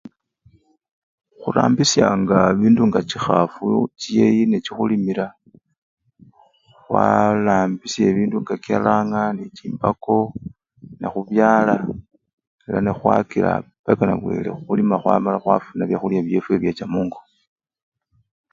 Khurambisyanga bindu nga chikhafu chiyeyi nechikhulimila, khwarambisya ebindu nga kyaranga nende chimbako, nekhubyala ela nekhwakila paka nga nebwile khulima khwamala khwafuna byakhulya byefwe byecha mungo.